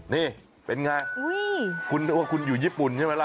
นี่เป็นไงคุณนึกว่าคุณอยู่ญี่ปุ่นใช่ไหมล่ะ